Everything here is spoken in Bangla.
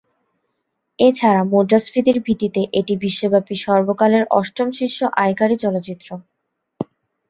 এছাড়া মুদ্রাস্ফীতির ভিত্তিতে এটি বিশ্বব্যাপী সর্বকালের অষ্টম শীর্ষ আয়কারী চলচ্চিত্র।